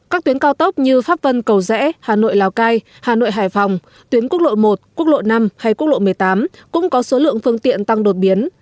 các tuyến cao tốc như pháp vân cầu rẽ hà nội lào cai hà nội hải phòng tuyến quốc lộ một quốc lộ năm hay quốc lộ một mươi tám cũng có số lượng phương tiện tăng đột biến